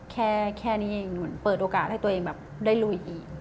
แค่นี้เปิดโอกาสให้ตัวเองได้ลุยอีก